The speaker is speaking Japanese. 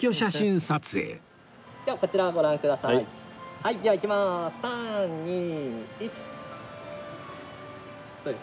はいではいきます。